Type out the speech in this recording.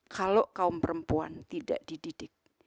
kalau kaum perempuan tidak dididik